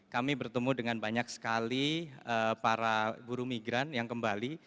kami bertemu dengan banyak sekali para buru migran yang kembali